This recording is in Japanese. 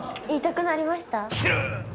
言いたくなりました？